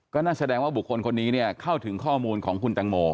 ก็นั่นแสดงว่าบุคคลคนนี้เนี่ยเข้าถึงข้อมูลของคุณแตงโม